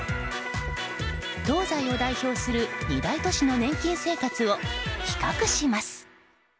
東西を代表する２大都市の年金生活を比較します。